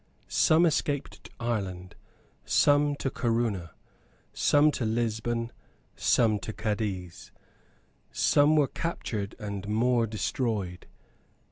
Some escaped to Ireland; some to Corunna; some to Lisbon; some to Cadiz; some were captured, and more destroyed.